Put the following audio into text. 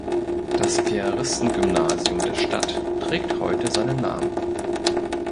Das Piaristengymnasium der Stadt trägt heute seinen Namen.